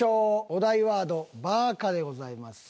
お題ワード「ばーか」でございます。